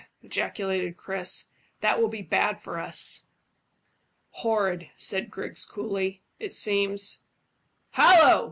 ejaculated Chris. "That will be bad for us." "Horrid," said Griggs coolly. "It seems Hallo!